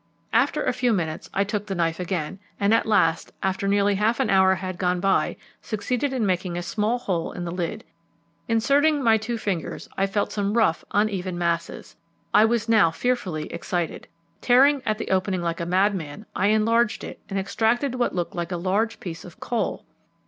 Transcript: After a few minutes I took the knife again, and at last, after nearly half an hour had gone by, succeeded in making a small hole in the lid. Inserting my two fingers, I felt some rough, uneven masses. I was now fearfully excited. Tearing at the opening like a madman, I enlarged it and extracted what looked like a large piece of coal.